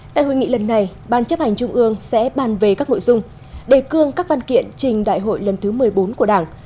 tại hội nghị lần này ban chấp hành trung ương sẽ bàn về các nội dung đề cương các văn kiện trình đại hội lần thứ một mươi bốn của đảng